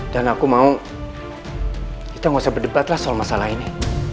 dan aku mau kita gak usah berdebat lah soal masalah ini